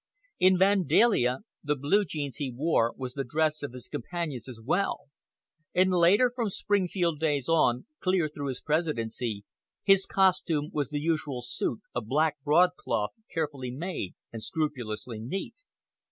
In Vandalia, the blue jeans he wore was the dress of his companions as well, and later, from Springfield days on, clear through his presidency, his costume was the usual suit of black broadcloth, carefully made, and scrupulously neat.